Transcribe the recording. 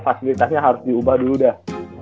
fasilitasnya harus diubah dulu dah